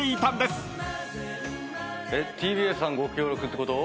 ＴＢＳさんご協力ってこと？